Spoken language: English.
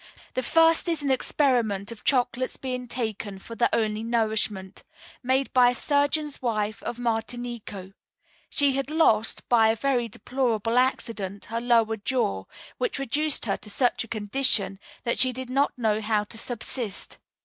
The first is an experiment of chocolate's being taken for the only nourishment made by a surgeon's wife of Martinico. She had lost, by a very deplorable accident, her lower jaw, which reduced her to such a condition that she did not know how to subsist.